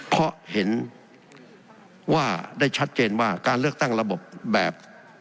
เพราะเห็นว่าได้ชัดเจนว่าการเลือกตั้งระบบแบบ